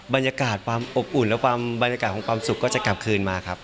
บรรยากาศความอบอุ่นและความบรรยากาศของความสุขก็จะกลับคืนมาครับ